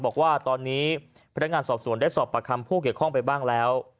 บอกว่าตอนนี้พนักงานสอบสวนได้สอบประคำผู้เกี่ยวข้องไปบ้างแล้ว